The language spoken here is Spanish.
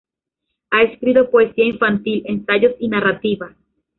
Ha escrito poesía infantil, ensayos y narrativa.